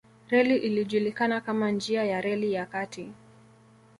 Reli ilijulikana kama njia ya reli ya kati